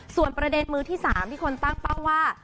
ส่วนประเด็นมือที่๓ที่คนตั้งเป้าว่า